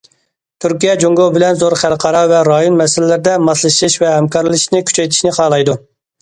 تۈركىيە جۇڭگو بىلەن زور خەلقئارا ۋە رايون مەسىلىلىرىدە ماسلىشىش ۋە ھەمكارلىشىشنى كۈچەيتىشنى خالايدۇ.